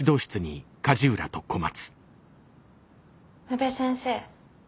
宇部先生